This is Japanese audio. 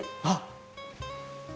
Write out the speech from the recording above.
あっ。